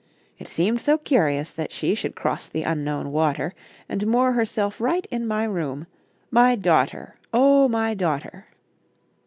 It seemed so curious that she Should cross the Unknown water, And moor herself right in my room, My daughter, O my daughter!